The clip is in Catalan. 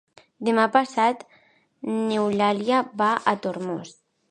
Demà passat n'Eulàlia va a Tormos.